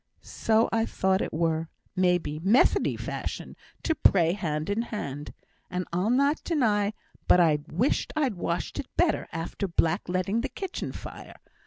So I thought it were, maybe, Methodee fashion to pray hand in hand; and I'll not deny but I wished I'd washed it better after black leading the kitchen fire.